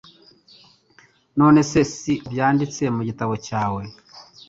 None se si ko byanditse mu gitabo cyawe?